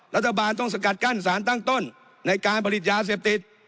รัฐบาลต้องสกัดกั้นสารตั้งต้นในการผลิตยาเสพติด